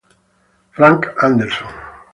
Frank Andersson